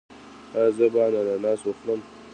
ایا زه باید اناناس وخورم؟